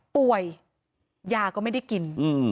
ป่วยยาก็ไม่ได้กิน